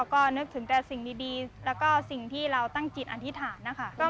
ก็นึกถึงแต่สิ่งดีแล้วก็สิ่งที่เราตั้งจิตอธิษฐานนะคะ